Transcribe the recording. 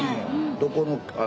どこの？